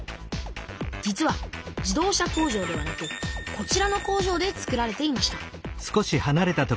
実は自動車工場ではなくこちらの工場でつくられていました